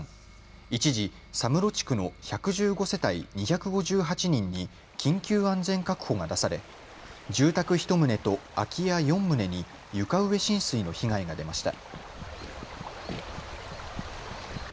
一時、佐室地区の１１５世帯２５８人に緊急安全確保が出され住宅１棟と空き家４棟に床上浸水の被害が出ました。